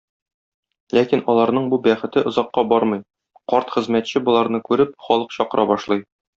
Ләкин аларның бу бәхете озакка бармый, карт хезмәтче, боларны күреп, халык чакыра башлый.